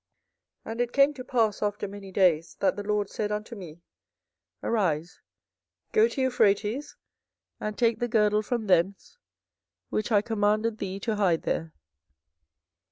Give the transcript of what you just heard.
24:013:006 And it came to pass after many days, that the LORD said unto me, Arise, go to Euphrates, and take the girdle from thence, which I commanded thee to hide there.